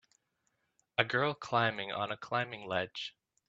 A girl climbing on a climbing ledge.